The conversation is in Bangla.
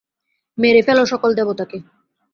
মেরে ফেলো সকল দেবতাকে।